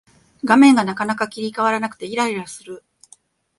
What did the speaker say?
画面がなかなか切り替わらなくてイライラする